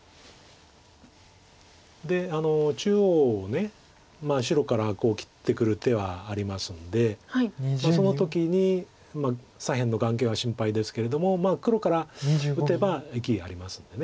で中央を白から切ってくる手はありますのでその時に左辺の眼形は心配ですけれども黒から打てば生きありますので。